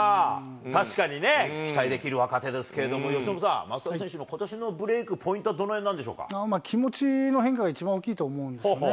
確かにね、期待できる若手ですけれども、由伸さん、増田選手のことしのブレーク、ポイントはどのへんなんでしょう気持ちの変化が一番大きいと思うんですよね。